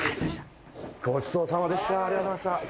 ごちそうさまでした。